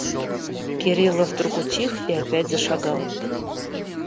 Кириллов вдруг утих и опять зашагал.